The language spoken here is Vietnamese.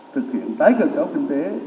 thực hiện tái cơ giáo kinh tế